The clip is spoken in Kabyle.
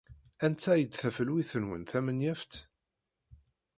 Anta ay d tafelwit-nwen tamenyaft?